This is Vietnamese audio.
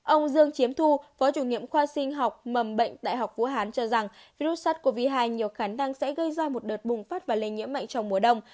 ông dương chiếm thu phó chủ nhiệm khoa sinh học mầm bệnh đại học vũ hán cho rằng virus sars cov hai nhiều khả năng sẽ gây ra một đợt bùng phát và lây nhiễm mạnh trong mùa đông